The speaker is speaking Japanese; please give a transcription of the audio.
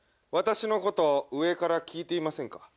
私のこと上から聞いていませんか？